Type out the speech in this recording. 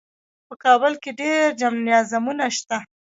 په کابل کې ډېر جمنازیمونه شته.